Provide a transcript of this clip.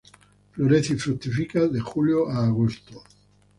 Florece y fructifica de Julio a Agosto.